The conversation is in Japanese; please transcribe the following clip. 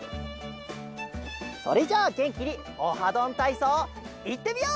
それじゃあげんきに「オハどんたいそう」いってみよう！